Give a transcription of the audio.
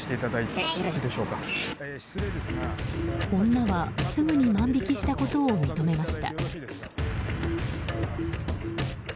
女はすぐに万引きしたことを認めました。